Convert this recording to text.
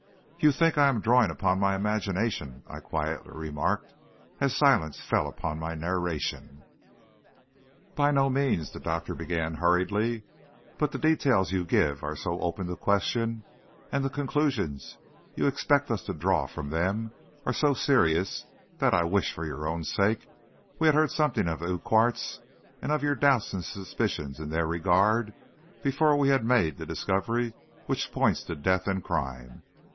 "You think I am drawing upon my imagination," I quietly remarked, as silence fell upon my narration. "By no means," the doctor began, hurriedly; "but the details you give are so open to question, and the conclusions you expect us to draw from them are so serious, that I wish, for your own sake, we had heard something of the Urquharts, and your doubts and suspicions in their regard, before we had made the discovery which points to death and crime.